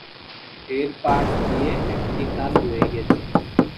এর পাশ দিয়ে একটি খাল বয়ে গেছে।